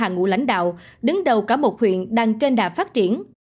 ngũ lãnh đạo đứng đầu cả một huyện đang trên đà phát triển